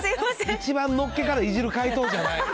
一番のっけからいじる解答じゃない。